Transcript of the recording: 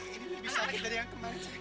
ini lebih sakit dari yang kemarin sayang